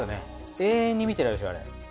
永遠に見てられるでしょあれ。